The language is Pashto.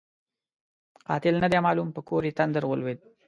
قاتل نه دی معلوم؛ په کور یې تندر ولوېد.